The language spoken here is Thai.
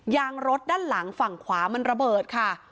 ยางรถด้านหลังฝั่งขวามันระเบิดค่ะ